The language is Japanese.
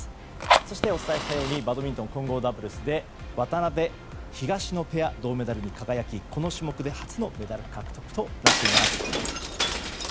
そして、お伝えしたようにバドミントンは混合ダブルスで渡辺、東野ペア、銅メダルに輝きこの種目で初のメダル獲得となっています。